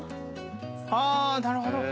あなるほど。